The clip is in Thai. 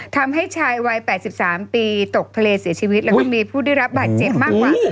ทำให้ชายวัย๘๓ปีตกทะเลเสียชีวิตแล้วก็มีผู้ได้รับบาดเจ็บมากกว่า